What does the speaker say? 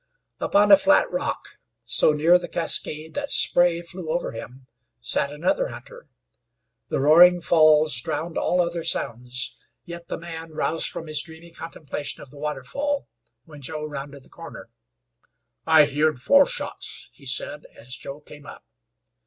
Upon a flat rock, so near the cascade that spray flew over him, sat another hunter. The roaring falls drowned all other sounds, yet the man roused from his dreamy contemplation of the waterfall when Joe rounded the corner. "I heerd four shots," he said, as Joe came up.